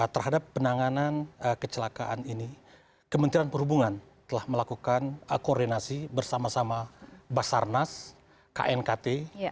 terhadap penanganan kecelakaan ini kementerian perhubungan telah melakukan koordinasi bersama sama basarnas knkt